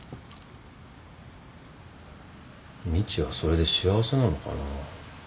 みちはそれで幸せなのかな？